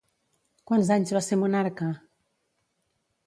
Quants anys va ser monarca?